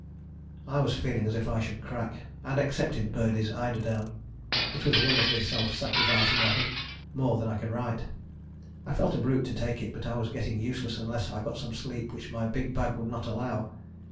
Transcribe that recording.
"I was feeling as if I should crack, and accepted Birdie's eider down. It was wonderfully self sacrificing of him: more than I can write. I felt a brute to take it, but I was getting useless unless I got some sleep which my big bag would not allow.